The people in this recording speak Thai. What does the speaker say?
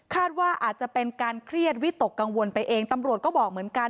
ว่าอาจจะเป็นการเครียดวิตกกังวลไปเองตำรวจก็บอกเหมือนกัน